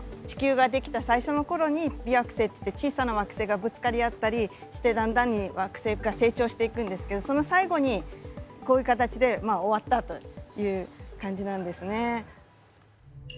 地球が出来た最初のころに微惑星といって小さな惑星がぶつかり合ったりしてだんだんに惑星が成長していくんですけどその最後にこういう形で終わったという感じなんですね。